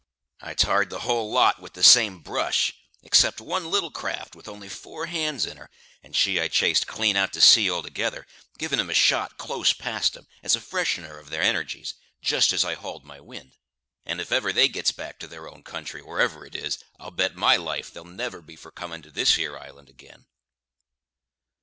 I tarred the whole lot with the same brush, except one little craft with only four hands in her, and she I chased clean out to sea altogether, givin' 'em a shot close past 'em, as a freshener of their energies, just as I hauled my wind; and if ever they gets back to their own country wherever 'tis I'll bet my life they'll never be for coming to this here island ag'in."